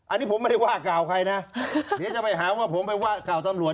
อันนี้ผมไม่ได้ว่ากล่าวใครนะเดี๋ยวจะไปหาว่าผมไปว่ากล่าวตำรวจ